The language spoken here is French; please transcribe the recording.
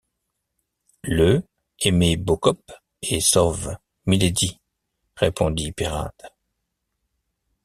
Ie aimé bocop et sôvent, milédi, répondit Peyrade.